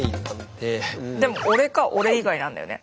でも「俺か俺以外」なんだよね。